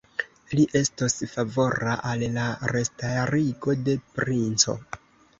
Li estos favora al la restarigo de princo.